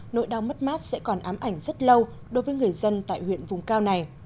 nỗi đau mất mát sẽ còn ám ảnh rất lâu đối với người dân tại huyện vùng cao này